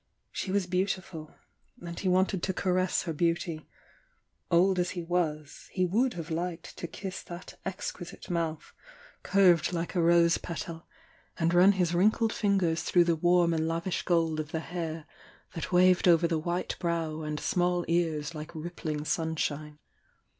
She was beautiful, and he wanted to caress her beautj', — old as he was, he would have liked to kiss that exquisite mouth, curved I m li" 866 THE YOUNG DIANA like a rose petal, and run his wrinkled fingers through the warm and lavish gold of the hair that waved over the white brow and small ears like rip pling sunshine.